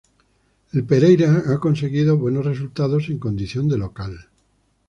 El Pereira ha conseguido buenos resultados en condición de local.